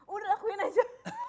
udah lakuin aja